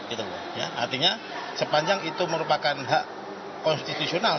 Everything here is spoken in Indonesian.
artinya sepanjang itu merupakan hak konstitusional